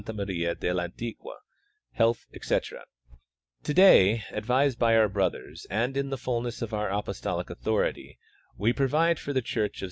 Maria del Antiqua, health, etc : Today, advised by our brothers and in the fulness of our apostolic authority, we provide for the church of S.